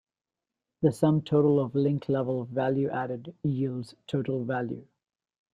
The sum total of link-level value-added yields total value.